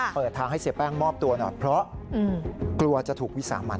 เปิดทางให้เสียแป้งมอบตัวหน่อยเพราะกลัวจะถูกวิสามัน